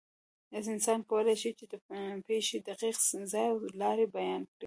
انسان کولی شي، چې د پېښې دقیق ځای او لارې بیان کړي.